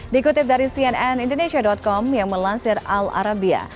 dikutip dari cnn indonesia com yang melansir al arabia